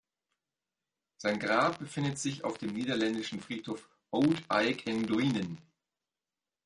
Sein Grab befindet sich auf dem niederländischen Friedhof Oud Eik en Duinen.